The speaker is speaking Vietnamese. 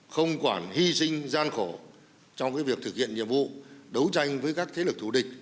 khó khổ trong việc thực hiện nhiệm vụ đấu tranh với các thế lực thủ địch